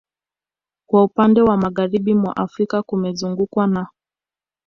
Kwa upande wa Magharibi mwa Afrika kumezungukwa na